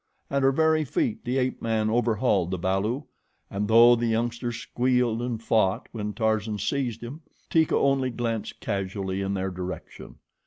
At her very feet the ape man overhauled the balu and, though the youngster squealed and fought when Tarzan seized him, Teeka only glanced casually in their direction.